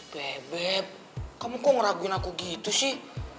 bebek kamu kok ngeraguin aku gitu sih